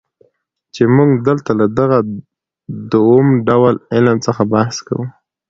چي موږ دلته له دغه دووم ډول علم څخه بحث کوو.